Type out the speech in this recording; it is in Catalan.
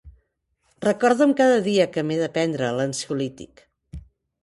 Recorda'm cada dia que m'he de prendre l'ansiolític.